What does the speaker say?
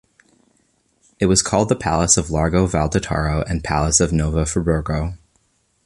It was called the Palace of Largo Valdetaro and Palace of Nova Friburgo.